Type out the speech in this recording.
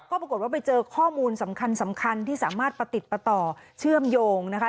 ก็ปรากฏว่าไปเจอข้อมูลสำคัญสำคัญที่สามารถประติดประต่อเชื่อมโยงนะคะ